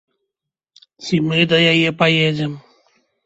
Ці мы да яе паедзем.